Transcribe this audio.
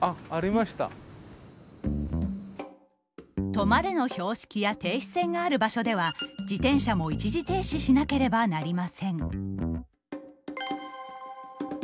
「止まれ」の標識や停止線がある場所では自転車も一時停止しなければなりません。